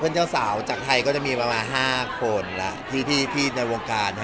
เพื่อนเจ้าสาวจากไทยก็จะมีมา๕คนละที่พี่ในวงการ